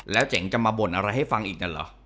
แล้วเจ๋งจะมาบ่นอะไรให้ฟังอีกนั่นเหรอ